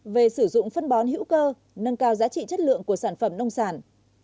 về sử dụng phân bón hữu cơ nâng cao giá trị chất lượng của sản phẩm nông sản